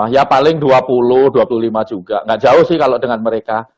ya paling dua puluh dua puluh lima juga nggak jauh sih kalau dengan mereka